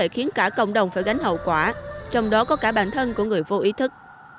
khiến cả cộng đồng phải gánh hậu quả trong đó có cả bản thân của người vô ý thức